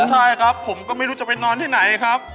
ใช่ครับผมก็ไม่รู้จะไปนอนที่ไหนครับ